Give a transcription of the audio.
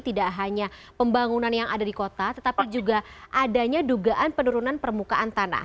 tidak hanya pembangunan yang ada di kota tetapi juga adanya dugaan penurunan permukaan tanah